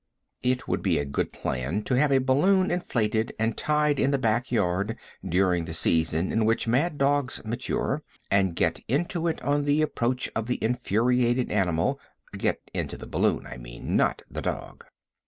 It would be a good plan to have a balloon inflated and tied in the back yard during the season in which mad dogs mature, and get into it on the approach of the infuriated animal (get into the balloon, I mean, not the dog).